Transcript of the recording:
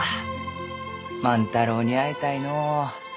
万太郎に会いたいのう。